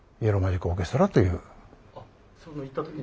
その行った時に？